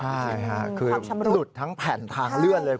ใช่ค่ะคือหลุดทั้งแผ่นทางเลื่อนเลย